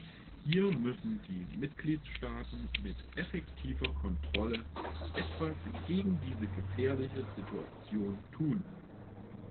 Hier müssen die Mitgliedstaaten mit effektiver Kontrolle etwas gegen diese gefährliche Situation tun.